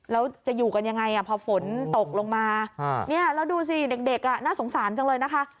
แล้วจะอยู่กันยังไงพอฝนตกลงมาแล้วดูสิเด็กน่าสงสารจังเลยนะคะ